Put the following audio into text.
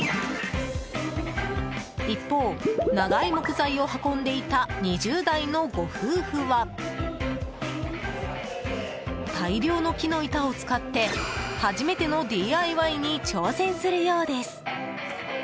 一方、長い木材を運んでいた２０代のご夫婦は大量の木の板を使って初めてのＤＩＹに挑戦するようです。